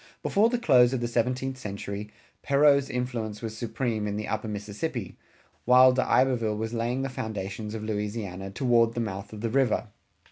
Before the close of the seventeenth century, Perrot's influence was supreme in the Upper Mississippi, while D'Iberville was laying the foundations of Louisiana toward the mouth of the river.